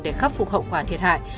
để khắc phục hậu quả thiệt hại